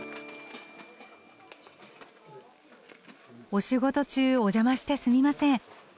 お仕事中お邪魔してすみません。